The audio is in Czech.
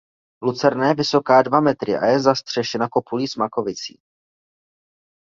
Lucerna je vysoká dva metry a je zastřešená kopulí s makovicí.